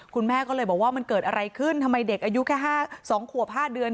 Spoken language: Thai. คุณแม่ก็เลยบอกว่ามันเกิดอะไรขึ้นทำไมเด็กอายุแค่๒ขวบ๕เดือน